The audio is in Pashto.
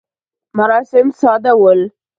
مراسم ساده ول.